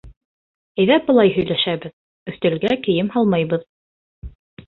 Әйҙә былай һөйләшәбеҙ: өҫтәлгә кейем һалмайбыҙ.